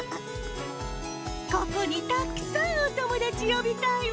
ここにたくさんおともだちよびたいわ。